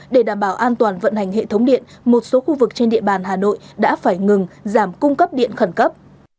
để đảm bảo an toàn vận hành hệ thống điện một số khu vực trên địa bàn hà nội đã phải ngừng giảm cung cấp điện khẩn cấp